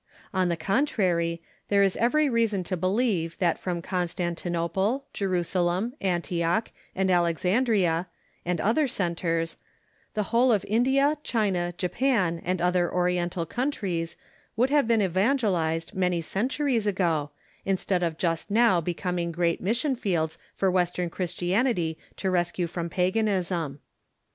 On the contrary, there is every reason to believe that from Constantinople, Je rusalem, Antioch, and Alexandria, and other centres, the whole of India, China, Japan, and other Oriental countries would have been evangelized many centuries ago, instead of just now be coming great mission fields for Western Christianity to rescue from paganism.